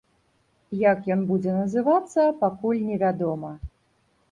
Як ён будзе называцца, пакуль невядома.